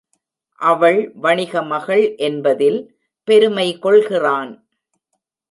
அவள் வணிக மகள் என்பதில் பெருமை கொள்கிறான்.